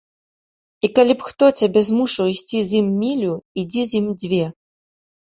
І калі б хто цябе змушаў ісці з ім мілю, ідзі з ім дзве.